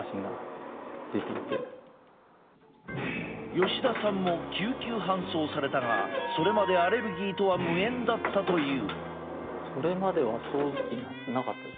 吉田さんも救急搬送されたがそれまでアレルギーとは無縁だったという。